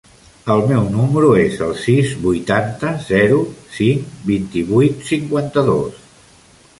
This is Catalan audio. El meu número es el sis, vuitanta, zero, cinc, vint-i-vuit, cinquanta-dos.